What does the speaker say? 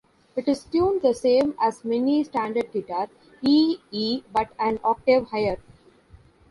It is tuned the same as any standard guitar, E-E, but an octave higher.